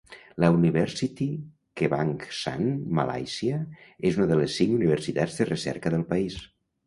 La Universiti Kebangsaan Malaysia és una de les cinc universitats de recerca del país.